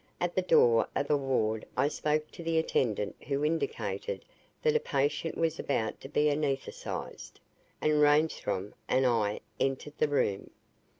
At the door of a ward I spoke to the attendant who indicated that a patient was about to be anesthetized, and Reinstrom and I entered the room.